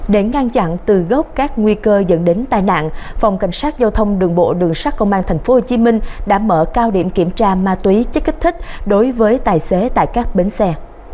để ngăn chặn từ gốc các nguy cơ dẫn đến tai nạn phòng cảnh sát giao thông đường bộ đường sát công an thành phố hồ chí minh đã mở cao điểm kiểm tra ma túy chất kích thích đối với tài xế tại các bến xe